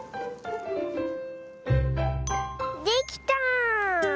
できた！